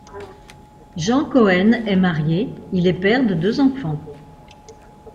Jan Coene est marié, il est père de deux enfants.